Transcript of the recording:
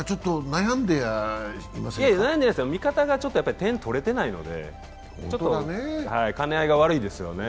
悩んでないですよ、味方が点取れてないので、兼ね合いが悪いですよね。